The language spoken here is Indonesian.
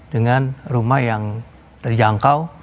dengan rumah yang terjangkau